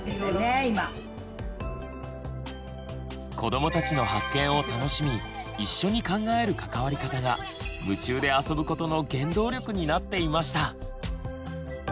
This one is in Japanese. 子どもたちの発見を楽しみ一緒に考える関わり方が夢中であそぶことの原動力になっていました。